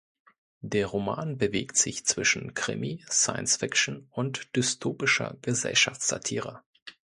Der Roman bewegt sich zwischen Krimi, Science-Fiction und dystopischer Gesellschaftssatire.